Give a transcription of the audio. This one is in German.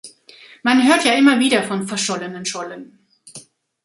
Man hört ja immer wieder von verschollenen Schollen.